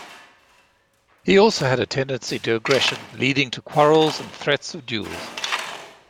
He also had a tendency to aggression leading to quarrels and threats of duels.